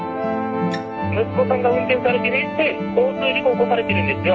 「息子さんが運転されてね交通事故起こされてるんですよ」。